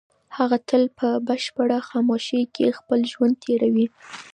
هغه تل په بشپړه خاموشۍ کې خپل ژوند تېروي.